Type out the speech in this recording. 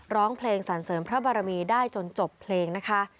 ร้องเพลงสรรเสริมพระบารมีได้จนจบเพลงนะคะ